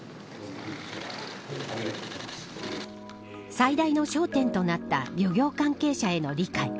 最大の焦点となった漁業関係者への理解。